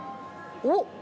おっ！